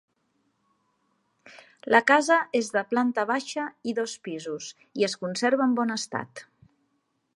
La casa és de planta baixa i dos pisos i es conserva en bon estat.